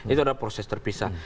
itu adalah proses terpisah